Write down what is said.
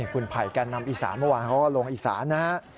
คุณไผ่แก่นนำอีสานเมื่อวานเขาก็ลงอีสานนะฮะ